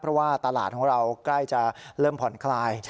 เพราะว่าตลาดของเราใกล้จะเริ่มผ่อนคลาย